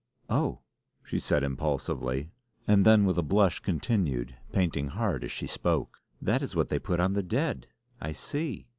"Oh!" she said impulsively, and then with a blush continued, painting hard as she spoke: "That is what they put on the dead! I see!"